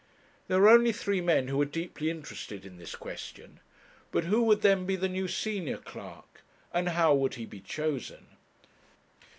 There were only three men who were deeply interested in this question. But who would then be the new senior clerk, and how would he be chosen?